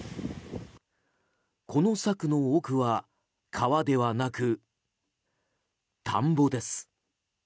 この柵の奥は川ではなく田んぼです。